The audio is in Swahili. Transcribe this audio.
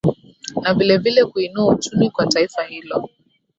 na vile vile kuinua uchumi kwa taifa hilo